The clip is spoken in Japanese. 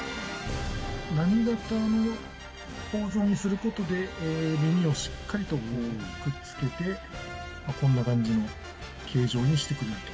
波形の構造にすることで耳をしっかりとくっつけてこんな感じの形状にしてくれると。